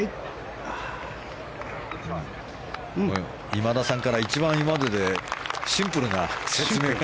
今田さんから一番今まででシンプルな説明が。